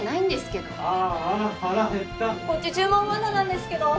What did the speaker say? こっち注文まだなんですけど。